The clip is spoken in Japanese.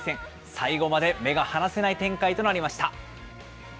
最後まで目が離せない展開となりました。